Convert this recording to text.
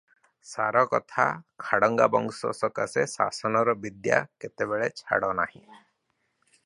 ସାରକଥା, ଖାଡ଼ଙ୍ଗାବଂଶ ସକାଶେ ଶାସନର ବିଦ୍ୟା କେତେବେଳେ ଛାଡ଼ ନାହିଁ ।